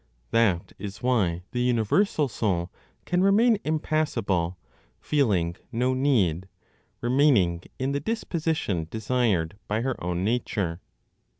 That is why the universal Soul can remain impassible, feeling no need, remaining in the disposition desired by her own nature.